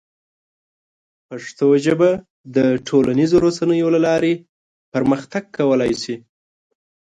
پښتو ژبه د ټولنیزو رسنیو له لارې پرمختګ کولی شي.